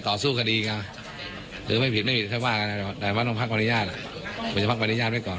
คุณไม่ผิดไม่ผิดหรือไม่ผิดได้มาต้องภักษ์ภรรยาจะภักษ์ภรรยาไปก่อน